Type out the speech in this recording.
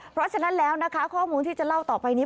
เพราะฉะนั้นแล้วนะคะข้อมูลที่จะเล่าต่อไปนี้